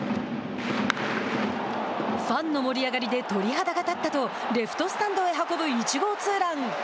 ファンの盛り上がりで鳥肌が立ったとレフトスタンドへ運ぶ１号ツーラン。